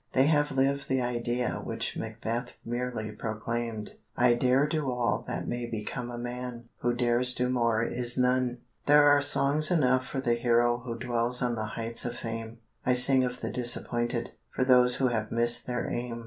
They have lived the idea which Macbeth merely proclaimed: "I dare do all that may become a man; Who dares do more is none." There are songs enough for the hero Who dwells on the heights of fame; I sing of the disappointed For those who have missed their aim.